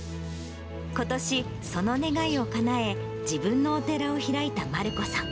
ことし、その願いをかなえ、自分のお寺を開いた団姫さん。